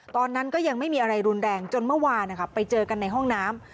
ตอนนั้นก็ยังไม่มีอะไรรุนแรงจนเมื่อวานไปเจอกันในห้องน้ำ